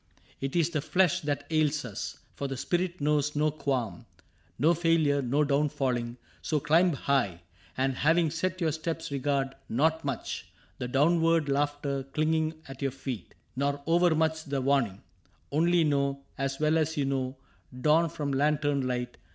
It is the flesh That ails us, for the spirit knows no qualm. No failure, no down falling : so climb high. And having set your steps regard not much The downward laughter clinging at your feet. Nor overmuch the warning ; only know. As well as you know dawn from lantern light.